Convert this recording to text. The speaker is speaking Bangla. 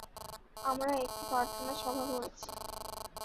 আমরা একটি প্রার্থনা সভা করেছি।